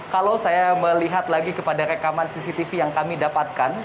kalau saya melihat lagi kepada rekaman cctv yang kami dapatkan